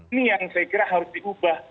ini yang saya kira harus diubah